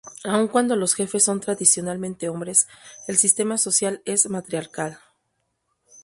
Aun cuando los jefes son tradicionalmente hombres, el sistema social es matriarcal.